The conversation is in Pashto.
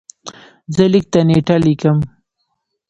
زه لیک ته نېټه لیکم.